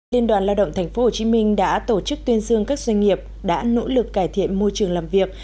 liên đoàn lao động tp hcm đã tổ chức tuyên dương các doanh nghiệp đã nỗ lực cải thiện môi trường làm việc